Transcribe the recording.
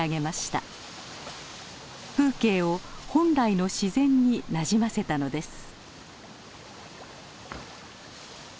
風景を本来の自然になじませたのです。